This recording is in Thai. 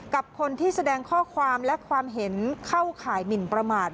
กับคนที่แสดงข้อความและความเห็นเข้าข่ายหมินประมาท